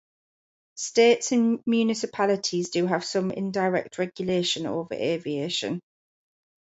States and municipalities do have some indirect regulation over aviation.